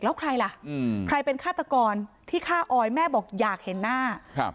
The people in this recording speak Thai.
แล้วใครล่ะอืมใครเป็นฆาตกรที่ฆ่าออยแม่บอกอยากเห็นหน้าครับ